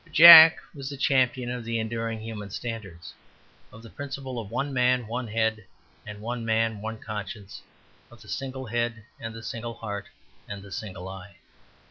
But Jack was the champion of the enduring human standards, of the principle of one man one head and one man one conscience, of the single head and the single heart and the single eye.